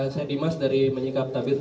saya dimas dari menyikap tabir